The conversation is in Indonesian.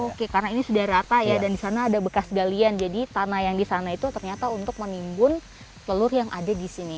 oke karena ini sudah rata ya dan di sana ada bekas galian jadi tanah yang di sana itu ternyata untuk menimbun telur yang ada di sini